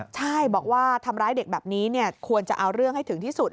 ใช่บอกว่าทำร้ายเด็กแบบนี้ควรจะเอาเรื่องให้ถึงที่สุด